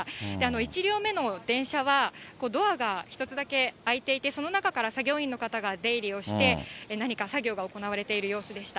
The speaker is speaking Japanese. １両目の電車は、ドアが１つだけ開いていて、その中から作業員の方が出入りをして、何か作業が行われている様子でした。